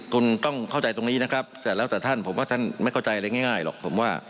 คุณต้องเข้าใจตรงนี้นะครับแต่แล้วแต่ท่านผมว่าท่านไม่เข้าใจอะไรง่ายหรอกผมว่า